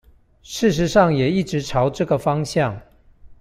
事實上也一直朝這個方向